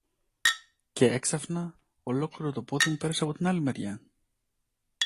Κι έξαφνα ολόκληρο το πόδι μου πέρασε από την άλλη μεριά.